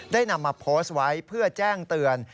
นำมาโพสต์ไว้เพื่อแจ้งเตือน